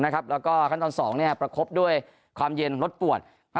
นะครับแล้วก็ขั้นตอน๒เนี่ยประคบด้วยความเย็นลดปวดขั้น